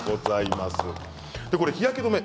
日焼け止め